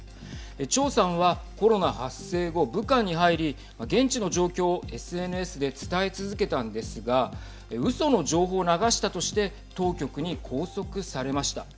張さんはコロナ発生後武漢に入り現地の状況をＳＮＳで伝え続けたんですがうその情報を流したとして当局に拘束されました。